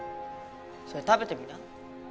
それ食べてみな。